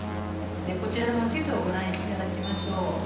でこちらの地図をご覧頂きましょう。